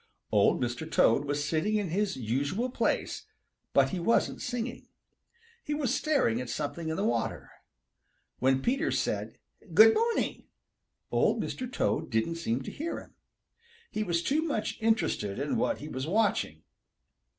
Old Mr. Toad was sitting in his usual place, but he wasn't singing. He was staring at something in the water. When Peter said "Good morning," Old Mr. Toad didn't seem to hear him. He was too much interested in what he was watching.